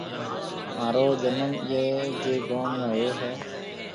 مهارو جنم اِيئي جيَ گوم ۾ هويو هيَ۔